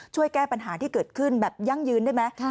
ช่วยแก้ปัญหาที่เกิดขึ้นแบบยั่งยืนได้ไหม